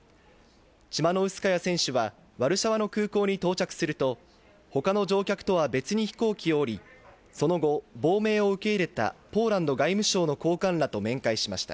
チマノウスカヤ選手はワルシャワの空港に到着すると、他の乗客とは別に飛行機を降り、その後、亡命を受け入れたポーランド外務省の高官らと面会しました。